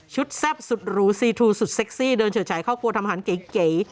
แซ่บสุดหรูซีทูสุดเซ็กซี่เดินเฉิดฉายครอบครัวทำอาหารเก๋